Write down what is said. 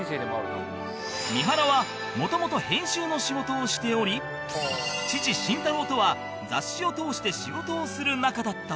三原は元々編集の仕事をしており父慎太郎とは雑誌を通して仕事をする仲だった